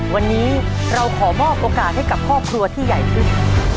วันนี้เราขอมอบโอกาสให้กับครอบครัวที่ใหญ่ขึ้น